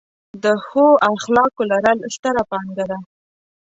د ښو اخلاقو لرل، ستره پانګه ده.